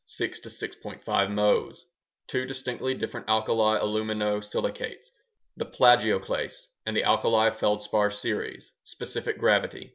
5 Mohs) Two distinctly different alkali alumino silicates: the Plagioclase and the Alkali Feldspar Series Specific gravity: 2.